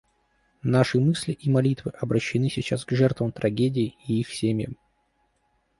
Наши мысли и молитвы обращены сейчас к жертвам трагедии и их семьям.